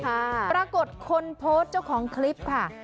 ปรากฏคนโพสต์เจ้าของคลิปค่ะ